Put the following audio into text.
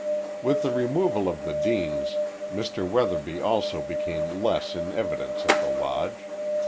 With the removal of the Deanes Mr. Weatherby also became less in evidence at the Lodge.